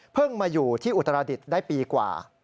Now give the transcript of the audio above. มาอยู่ที่อุตรดิษฐ์ได้ปีกว่า